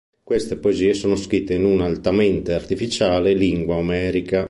Queste poesie sono scritte in un'altamente artificiale lingua omerica.